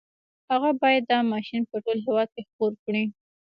هغه بايد دا ماشين په ټول هېواد کې خپور کړي.